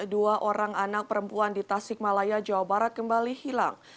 dua orang anak perempuan di tasik malaya jawa barat kembali hilang